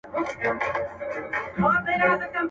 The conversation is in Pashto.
لا پر سوځلو ښاخلو پاڼي لري.